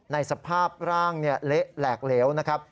ในสภาพร่างเละแหลกเหลวนะครับ